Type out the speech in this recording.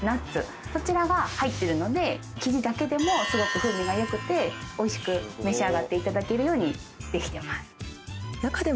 そちらが入ってるので生地だけでも風味が良くておいしく召し上がっていただけるようにできてます。